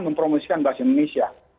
mempromosikan bahasa indonesia